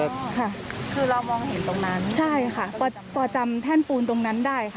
ค่ะคือเรามองเห็นตรงนั้นใช่ค่ะพอพอจำแท่นปูนตรงนั้นได้ค่ะ